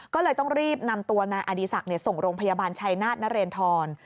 ก็เลยต้องรีบนำตัวนายอดีศักดิ์ส่งโรงพยาบาลชัยนาธนเรนทร